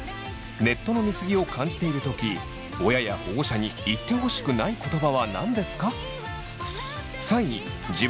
ネットの見過ぎを感じている時親や保護者に言ってほしくない言葉は何ですか？